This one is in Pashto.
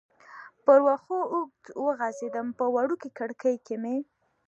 پر وښو اوږد وغځېدم، په وړوکې کړکۍ کې مې.